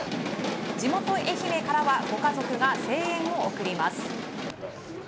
地元・愛媛からはご家族が声援を送ります。